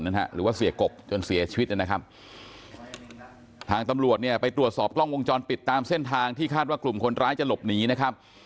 หรือว่าเสียกบจนเสียชีวิตนะครับทางตำรวจเนี่ยไปตรวจสอบกล้องวงจรปิดตามเส้นทางที่คาดว่ากลุ่มคนร้ายจะหลบหนีนะครับ